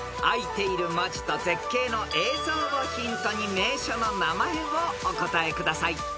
［あいている文字と絶景の映像をヒントに名所の名前をお答えください］